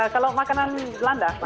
kalau makanan belanda